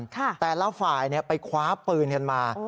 แต่ละฝ่ายไปคว้าปืนกันมา